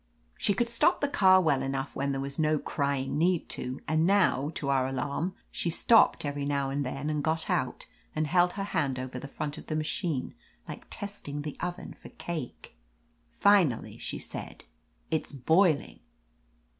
'' She could stop the car well enough when there was no crying need to, and now, to our alarm, she stopped every now and then and got out and held her hand over the front of the machine, like testing the oven for cake. Finally she said : It's boiling!"